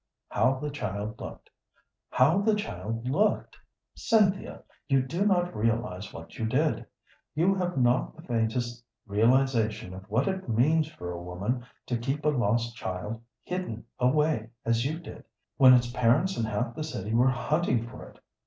"How the child looked how the child looked; Cynthia, you do not realize what you did. You have not the faintest realization of what it means for a woman to keep a lost child hidden away as you did, when its parents and half the city were hunting for it.